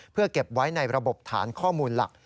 เพื่อเก็บไว้ในระบบฐานข้อมูลหลัก